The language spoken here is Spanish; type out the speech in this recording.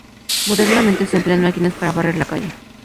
Modernamente se emplean máquinas para barrer la calle.